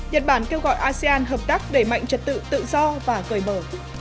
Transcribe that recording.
nhật bản kêu gọi asean hợp tác để mạnh trật tự tự do và cười bở